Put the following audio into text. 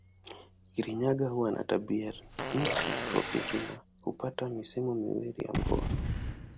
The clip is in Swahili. Kirinyaga huwa na tabianchi tropiki na hupata misimu miwili ya mvua.